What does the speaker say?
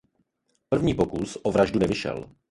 První pokus o vraždu nevyšel.